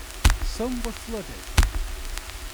Some were flooded.